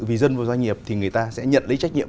vì dân và doanh nghiệp thì người ta sẽ nhận lấy trách nhiệm